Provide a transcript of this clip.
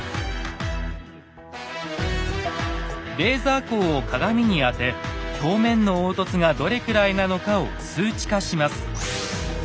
レーザー光を鏡に当て表面の凹凸がどれくらいなのかを数値化します。